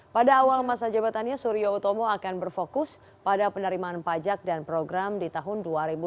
pada awal masa jabatannya surya utomo akan berfokus pada penerimaan pajak dan program di tahun dua ribu dua puluh